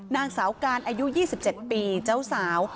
นางสาวการอายุ๒๗ปีเจ้าสาว